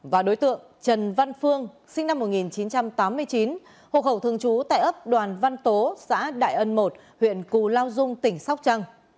và đối tượng trần văn phương sinh năm một nghìn chín trăm tám mươi chín hồ hậu thường chú tại ấp đoàn văn tố xã đại ân một huyện cù lao dung tỉnh sóc trăng